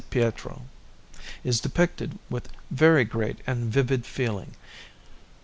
Pietro) is depicted with very great and vivid feeling.